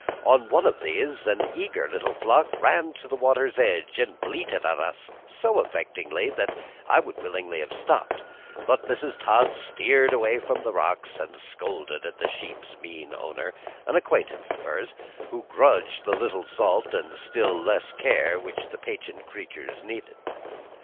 On one of these an eager little flock ran to the water's edge and bleated at us so affectingly that I would willingly have stopped; but Mrs. Todd steered away from the rocks, and scolded at the sheep's mean owner, an acquaintance of hers, who grudged the little salt and still less care which the patient creatures needed.